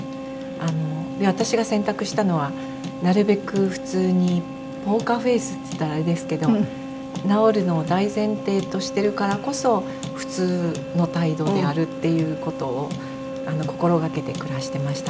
私が選択したのはなるべく普通にポーカーフェースっつったらあれですけど治るのを大前提としてるからこそ普通の態度であるっていう事を心がけて暮らしてましたのではい。